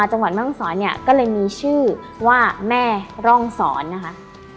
จังหวัดแม่ห้องศรเนี่ยก็เลยมีชื่อว่าแม่ร่องสอนนะคะ